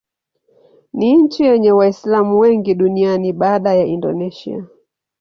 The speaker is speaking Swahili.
Ni nchi yenye Waislamu wengi duniani baada ya Indonesia.